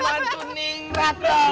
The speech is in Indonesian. mantu ningga toh